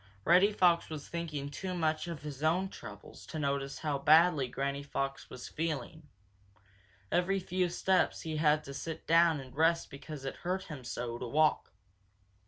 Reddy Fox was thinking too much of his own troubles to notice how badly Granny Fox was feeling. Every few steps he had to sit down and rest because it hurt him so to walk.